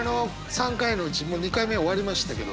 ３回のうちもう２回目終わりましたけど。